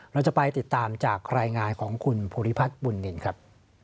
เราจะไปติดตามจากรายงานของคุณภูริพัฒน์บุญนินครับ